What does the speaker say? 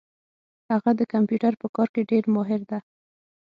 هغه د کمپیوټر په کار کي ډېر ماهر ده